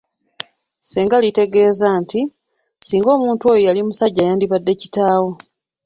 Ssenga litegeeza nti, singa omuntu oyo yali musajja yandibadde kitaawo.